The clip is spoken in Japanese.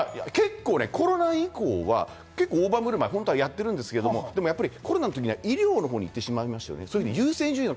コロナ以降は結構、大盤振る舞いやってるんですけれども、やっぱりコロナのほうは医療に行ってしまいましたよね、優先順位が。